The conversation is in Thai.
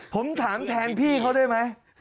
ผมถามแทนพี่เขาได้ไหม